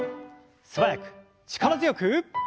素早く力強く！